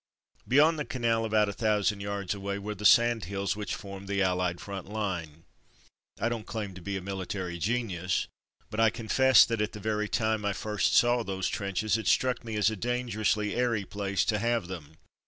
Beyond the canal, about a thousand yards away, were the sand hills which formed the Allied front line. I don't claim to be a military genius, but I confess that, at the very time I first saw those trenches it struck me as a dangerously airy place to have them.